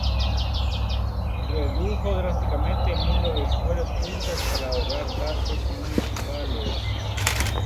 Redujo drásticamente el número de escuelas públicas para ahorrar gastos municipales.